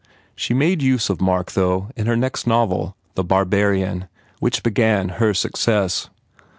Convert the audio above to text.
She made use of Mark, though, in her next novel, The Barbarian, which began her success.